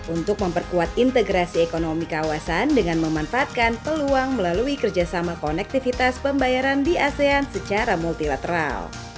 untuk memperkuat integrasi ekonomi kawasan dengan memanfaatkan peluang melalui kerjasama konektivitas pembayaran di asean secara multilateral